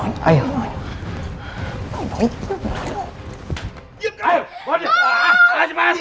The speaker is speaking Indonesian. misalnya tidak kekel bedtime